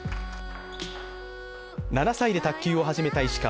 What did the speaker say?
７歳で卓球を始めた石川。